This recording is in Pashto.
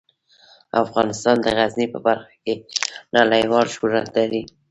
افغانستان د غزني په برخه کې نړیوال شهرت لري.